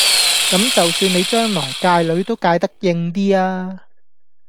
咁就算你將來界女都界得應啲呀